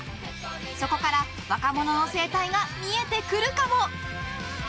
そこから若者の生態が見えてくるかも？